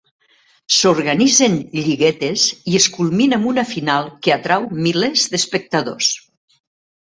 S'organitzen lliguetes i es culmina amb una final que atrau milers d'espectadors.